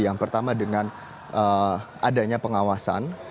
yang pertama dengan adanya pengawasan